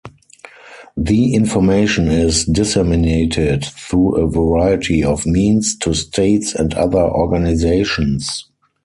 The information is disseminated through a variety of means to states and other organizations.